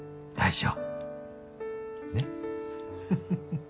大丈夫。